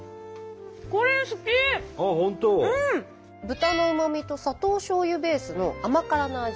豚のうまみと砂糖しょうゆベースの甘辛な味。